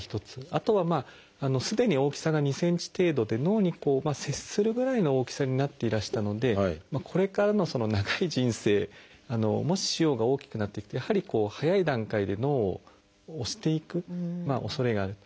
あとはすでに大きさが２ｃｍ程度で脳に接するぐらいの大きさになっていらしたのでこれからの長い人生もし腫瘍が大きくなっていくとやはり早い段階で脳を押していくおそれがあると。